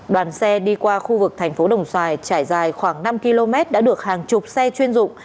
đoàn xe đi qua khu vực thành phố đồng xoài trải dài khoảng năm km đã được hàng chục xe chuyên dụng